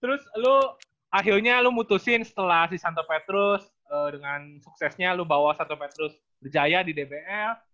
terus lo akhirnya lu mutusin setelah si santo petrus dengan suksesnya lu bawasto petrus berjaya di dbl